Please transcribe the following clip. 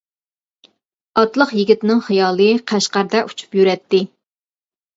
ئاتلىق يىگىتنىڭ خىيالى قەشقەردە ئۇچۇپ يۈرەتتى.